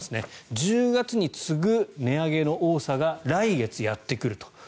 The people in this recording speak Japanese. １０月に次ぐ値上げの多さが来月やってくると。